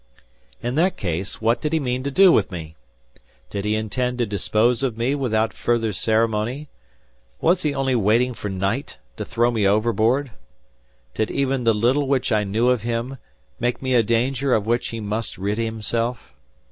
In that case, what did he mean to do with me? Did he intend to dispose of me without further ceremony? Was he only waiting for night to throw me overboard? Did even the little which I knew of him, make me a danger of which he must rid himself?